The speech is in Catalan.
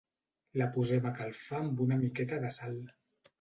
La posem a calfar amb una miqueta de sal.